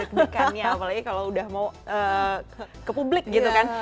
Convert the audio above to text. deg degannya apalagi kalau udah mau ke publik gitu kan